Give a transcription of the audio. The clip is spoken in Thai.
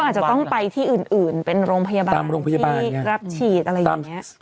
อาจจะต้องไปที่อื่นเป็นโรงพยาบาลที่รับฉีดอะไรอย่างนี้